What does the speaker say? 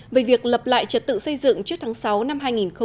về việc lập lại trật tự xây dựng trước tháng sáu năm hai nghìn hai mươi